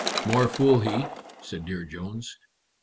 "More fool he," said Dear Jones.